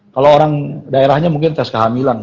kalau orang daerahnya mungkin tes kehamilan